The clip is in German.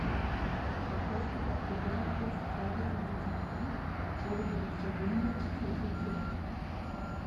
Der aufgebrachte Herakles forderte sie zum Kampf, wurde jedoch verwundet und zog sich zurück.